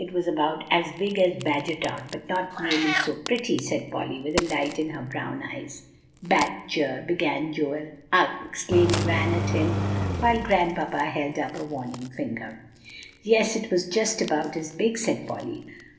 It was about as big as Badgertown, but not nearly so pretty," said Polly, with a light in her brown eyes. "Bad ger" began Joel. "Ugh!" exclaimed Van at him, while Grandpapa held up a warning finger. "Yes, it was just about as big," said Polly.